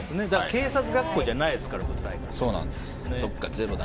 警察学校じゃないですから舞台が。